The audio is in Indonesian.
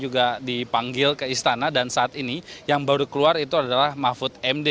bapak bapak yang baru keluar adalah mahfud md